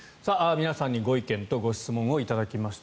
皆さんにご意見とご質問を頂きました。